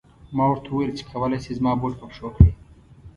ما ورته و ویل چې کولای شې زما بوټ په پښو کړې.